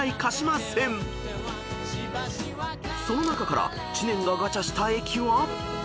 ［その中から知念がガチャした駅は］